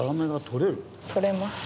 取れます。